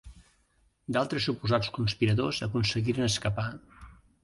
D'altres suposats conspiradors aconseguiren escapar.